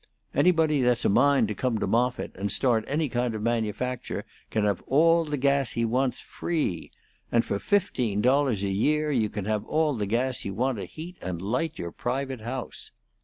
Anybody that's a mind to come to Moffitt and start any kind of manufacture can have all the gas he wants free; and for fifteen dollars a year you can have all the gas you want to heat and light your private house.